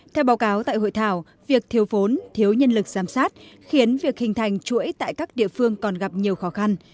theo báo cáo tại hội thảo việc thiếu vốn thiếu nhân lực giám sát khiến việc hình thành chuỗi tại các địa phương còn gặp nhiều khó khăn